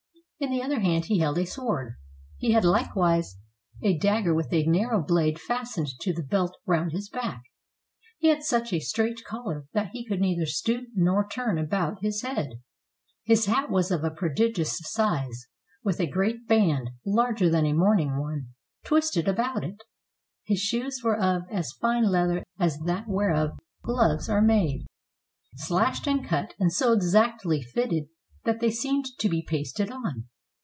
In the other hand he held a sword. He had likewise a dagger with a narrow blade fastened to the belt round his back. He had such a straight collar that he could neither stoop nor turn about his head. His hat was of a prodigious size, with a great band, larger than a mourning one, twisted about it. His shoes were of as fine leather as that whereof gloves are made, slashed and cut, and so exactly fitted that they seemed to be pasted on.